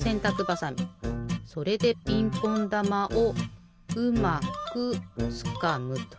それでピンポンだまをうまくつかむと。